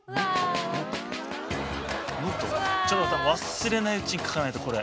忘れないうちに書かないとこれ。